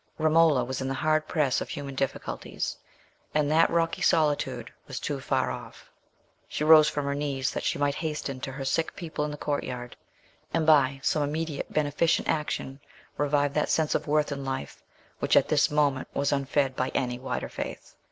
Romola was in the hard press of human difficulties, and that rocky solitude was too far off. She rose from her knees that she might hasten to her sick people in the courtyard, and by some immediate beneficent action, revive that sense of worth in life which at this moment was unfed by any wider faith.